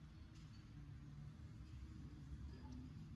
ქიმიური სტრუქტურის თეორიის მთავარი ფუძემდებელი.